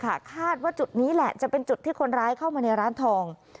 คาดว่าจุดนี้แหละจะเป็นจุดที่คนร้ายเข้ามาในร้านทอง